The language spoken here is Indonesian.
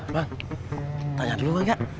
bang tanya dulu mbak ya